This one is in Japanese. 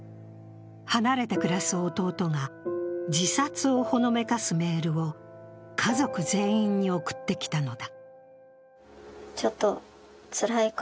離れて暮らす弟が自殺をほのめかすメールを家族全員に送ってきたのだ。